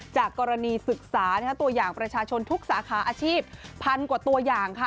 จากกรณีศึกษาตัวอย่างประชาชนทุกสาขาอาชีพพันกว่าตัวอย่างค่ะ